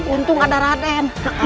untung ada raden